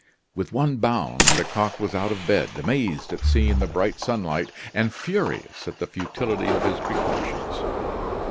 With one bound Lecoq was out of bed, amazed at seeing the bright sunlight, and furious at the futility of his precautions.